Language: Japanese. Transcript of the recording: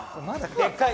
でかい！